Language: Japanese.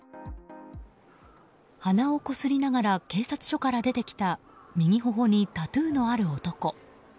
鼻をこすりながら警察署から出てきた右頬にタトゥーのある男。